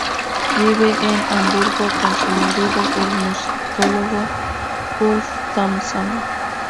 Vive en Hamburgo con su marido, el musicólogo Ulf Thomson.